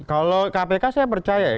kalau kpk saya percaya ya